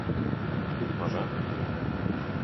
Być może